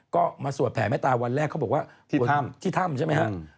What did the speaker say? ก็มาสวดแผ่แม่ตาวันแรกเขาบอกว่าบนที่ถ้ำใช่ไหมฮะ